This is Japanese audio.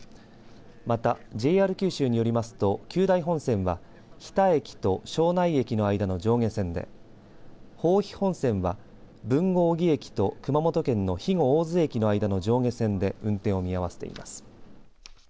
またＪＲ九州によりますと久大本線は日田駅と庄内駅の間の上下線で豊肥本線は豊後荻駅と熊本県の肥後大津駅の間の上下線で運転を見合わせています。